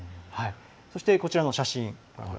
そして、こちらの写真。